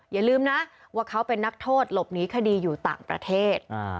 อย่าลืมนะว่าเขาเป็นนักโทษหลบหนีคดีอยู่ต่างประเทศ